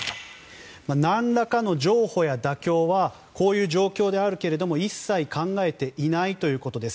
なんらかの譲歩や妥協はこういう状況であるけども一切考えていないということです。